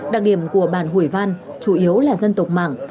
đặc điểm của bản hủy văn chủ yếu là dân tộc mạng